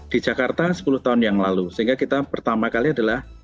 di jakarta sepuluh tahun yang lalu sehingga kita pertama kali adalah